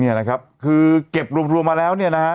เนี่ยนะครับคือเก็บรวมมาแล้วเนี่ยนะฮะ